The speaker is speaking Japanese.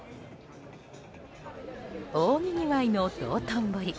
大にぎわいの道頓堀。